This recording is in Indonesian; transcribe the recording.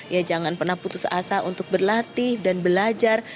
ya jangan pernah putus asa untuk berlatih dan belajar